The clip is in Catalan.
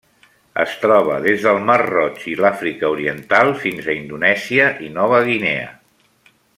Es troba des del mar Roig i l'Àfrica Oriental fins a Indonèsia i Nova Guinea.